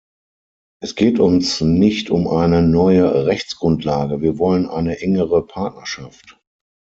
Es geht uns nicht um eine neue Rechtsgrundlage, wir wollen eine engere Partnerschaft.